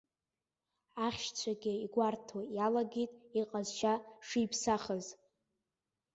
Ахьшьцәагьы игәарҭо иалагеит иҟазшьа шиԥсахыз.